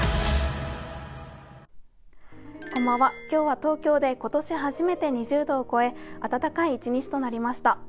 今日は東京で今年初めて２０度を超え暖かい一日となりました。